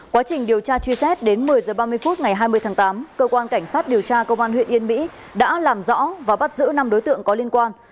quá trình điều tra truy xét đến một mươi h ba mươi phút ngày hai mươi tháng tám cơ quan cảnh sát điều tra công an huyện yên mỹ đã làm rõ và bắt giữ năm đối tượng có liên quan